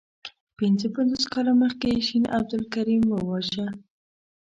پنځه پنځوس کاله مخکي شین عبدالکریم وواژه.